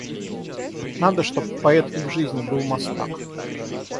Надо, чтоб поэт и в жизни был мастак.